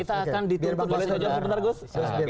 kita akan diturba ke luar